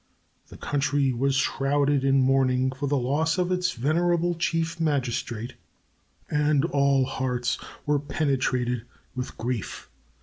The country was shrouded in mourning for the loss of its venerable Chief Magistrate and all hearts were penetrated with grief.